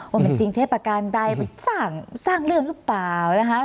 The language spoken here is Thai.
ว่ามันจริงเทศประการใดมันสร้างเรื่องหรือเปล่านะคะ